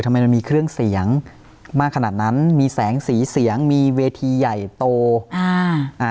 มันมีเครื่องเสียงมากขนาดนั้นมีแสงสีเสียงมีเวทีใหญ่โตอ่าอ่า